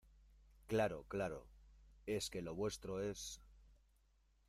claro, claro. es que lo vuestro es